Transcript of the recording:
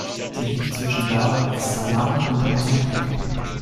Sie liegt zwischen Dar es Salaam und Mosambik.